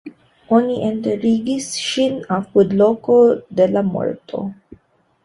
Oni enterigis ŝin apud loko de la morto.